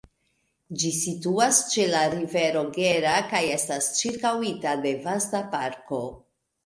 Ĝi situas ĉe la rivero Gera kaj estas ĉirkaŭita de vasta parko.